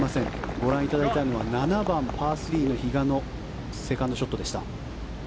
ご覧いただいたのは７番、パー３の比嘉のセカンドショットでした。